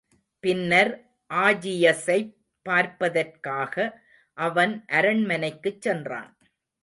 பின்னர் ஆஜியஸைப் பார்ப்பதற்காக அவன் அரண்மனைக்குச் சென்றான்.